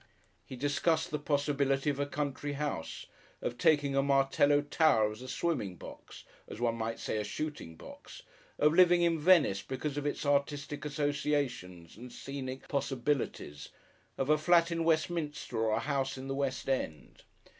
He discussed the possibility of a country house, of taking a Martello tower as a swimming box (as one might say a shooting box) of living in Venice because of its artistic associations and scenic possibilities, of a flat in Westminster or a house in the West End.